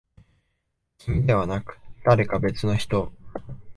君ではなく、誰か別の人。